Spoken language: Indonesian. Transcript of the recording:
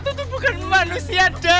itu tuh bukan manusia